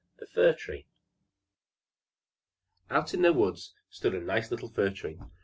THE FIR TREE Out in the woods stood a nice little Fir Tree.